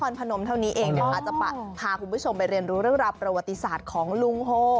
พนมเท่านี้เองนะคะจะพาคุณผู้ชมไปเรียนรู้เรื่องราวประวัติศาสตร์ของลุงโฮ